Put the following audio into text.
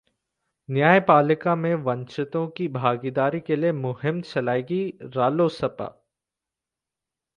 न्यायपालिका में वंचितों की भागीदारी के लिए मुहिम चलाएगी रालोसपा